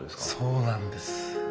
そうなんです。